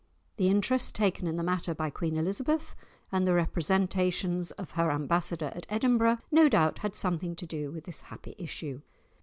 The interest taken in the matter by Queen Elizabeth, and the representations of her Ambassador at Edinburgh, no doubt had something to do with this happy issue.